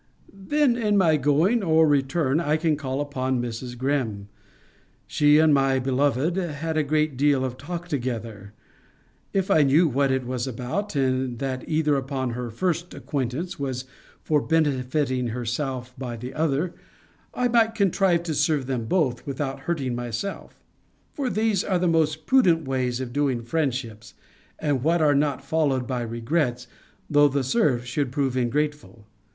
Then, in my going or return, I can call upon Mrs. Greme. She and my beloved had a great deal of talk together. If I knew what it was about; and that either, upon their first acquaintance, was for benefiting herself by the other; I might contrive to serve them both, without hurting myself: for these are the most prudent ways of doing friendships, and what are not followed by regrets, though the served should prove ingrateful.